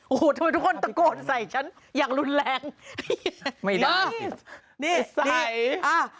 โอ้โหทำไมทุกคนตะโกนใส่ฉันอย่างรุนแรงไม่ได้นี่ใส่อ่า